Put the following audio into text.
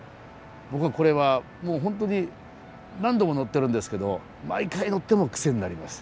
僕はこれはホントに何度も乗ってるんですけど毎回乗ってもクセになります。